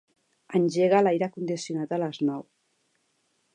Engega l'aire condicionat a les nou.